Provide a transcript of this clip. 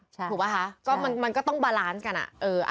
ถูกป่ะคะก็มันก็ต้องบาลานซ์กันอ่ะ